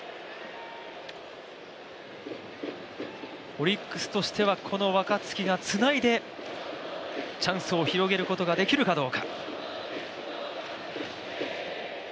オリックスとしてはこの若月がつないでチャンスを広げることができるかどうか。